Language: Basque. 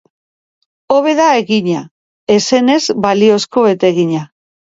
Hobe da egina, ezen ez balizko betegina.